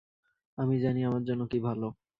আমি জানি আমার জন্য কি ভাল!